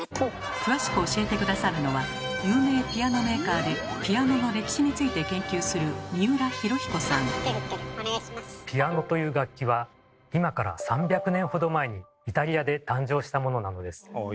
詳しく教えて下さるのは有名ピアノメーカーでピアノの歴史について研究するピアノという楽器は今から３００年ほど前にイタリアで誕生したものなのです。